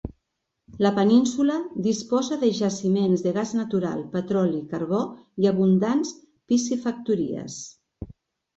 La península disposa de jaciments de gas natural, petroli, carbó i abundants piscifactories.